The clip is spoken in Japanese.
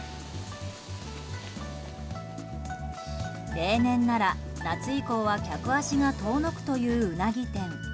例年なら、夏以降は客足が遠のくというウナギ店。